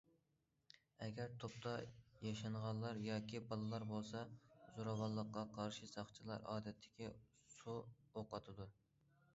ئەگەر توپتا ياشانغانلار ياكى بالىلار بولسا، زوراۋانلىققا قارشى ساقچىلار ئادەتتىكى سۇ ئوق ئاتىدۇ.